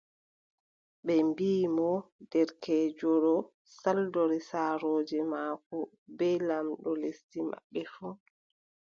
Ɓe mbii mo : derkeejo ɗo saldori saarooji maako bee lamɗo lesdi maɓɓe fuu,